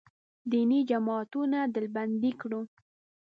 دیني جماعتونه ډلبندي کړو.